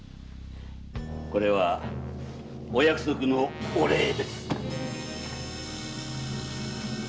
これはお約束のお礼です。